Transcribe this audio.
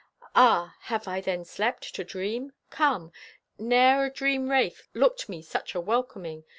Ah, have I then slept, to dream? Come, Ne'er a dream wraith looked me such a welcoming!